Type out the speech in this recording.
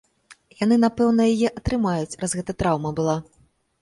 Яны, напэўна, яе атрымаюць, раз гэта траўма была.